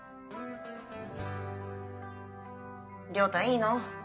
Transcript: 亮太いいの？